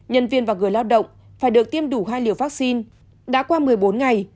nhân viên và người lao động phải được tiêm đủ hai liều vaccine đã qua một mươi bốn ngày